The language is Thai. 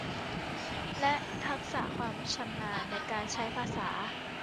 และทักษะความชำนาญในการใช้ภาษา